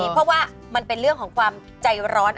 เพราะว่ามันเป็นเรื่องของความใจร้อน